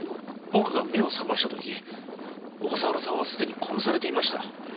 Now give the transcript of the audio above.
僕が目を覚ましたとき小笠原さんはすでに殺されていました。